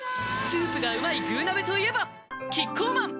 スープがうまい「具鍋」といえばキッコーマン